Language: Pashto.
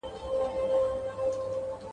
• د هوښيار سړي غبرگ غاښونه وزي.